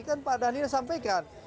kan pak dhanil sampaikan